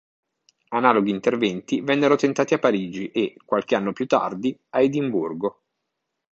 Analoghi interventi vennero tentati a Parigi e, qualche anno più tardi, a Edimburgo.